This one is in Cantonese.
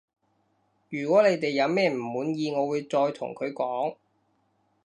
如果你哋有咩唔滿意我會再同佢講